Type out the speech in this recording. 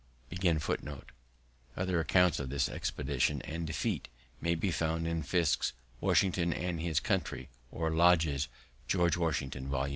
Other accounts of this expedition and defeat may be found in Fiske's Washington and his Country, or Lodge's George Washington, Vol.